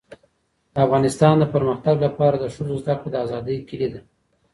. د افغانستان د پرمختګ لپاره د ښځو زدهکړه د آزادۍ کيلي ده.